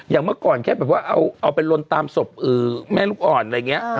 เมื่อก่อนแค่แบบว่าเอาไปลนตามศพแม่ลูกอ่อนอะไรอย่างนี้